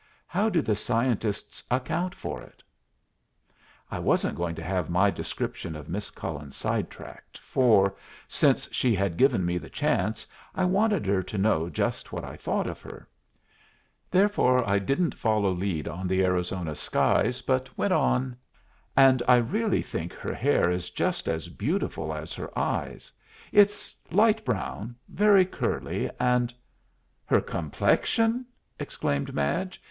"How do the scientists account for it?" I wasn't going to have my description of Miss Cullen side tracked, for, since she had given me the chance, I wanted her to know just what I thought of her. Therefore I didn't follow lead on the Arizona skies, but went on, "And I really think her hair is just as beautiful as her eyes. It's light brown, very curly, and " "Her complexion!" exclaimed Madge.